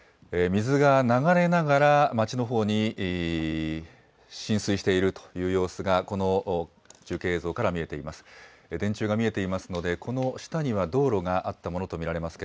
水が流れながら町のほうに浸水しているという様子が、この中継映像が見えています。